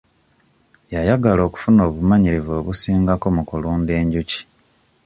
Yayagala okufuna obumanyirivu obusingako mu kulunda enjuki.